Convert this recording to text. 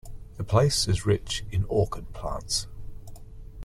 The place is rich in orchid plants.